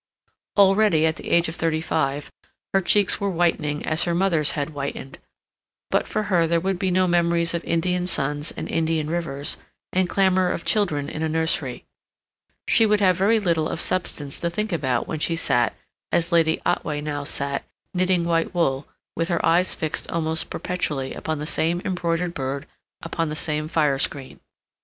Already, at the age of thirty five, her cheeks were whitening as her mother's had whitened, but for her there would be no memories of Indian suns and Indian rivers, and clamor of children in a nursery; she would have very little of substance to think about when she sat, as Lady Otway now sat, knitting white wool, with her eyes fixed almost perpetually upon the same embroidered bird upon the same fire screen.